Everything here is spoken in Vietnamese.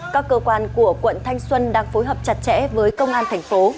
các cơ quan của quận thanh xuân đang phối hợp chặt chẽ với công an thành phố